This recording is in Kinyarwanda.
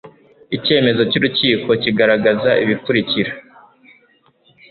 Icyemezo cy urukiko kigaragaza ibikurikira